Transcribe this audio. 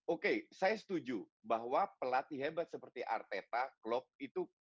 oke saya setuju bahwa pelatih hebat seperti arteta klopp itu